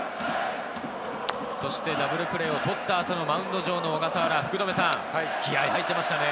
そしてダブルプレーをとった後のマウンド上の小笠原、気合いが入っていましたね。